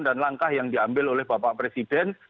dan langkah yang diambil oleh bapak presiden